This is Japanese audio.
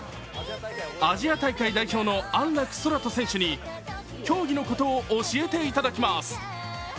アジア大会代表の安楽宙斗選手に競技のことを教えていただきます。